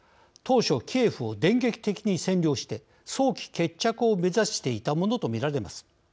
当初、キエフを電撃的に占領して早期決着を目指していたものとみられます。